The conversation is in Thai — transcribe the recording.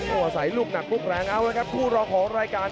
อาศัยลูกหนักลูกแรงเอาละครับคู่รองของรายการ